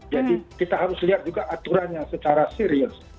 jadi kita harus lihat juga aturan yang secara serius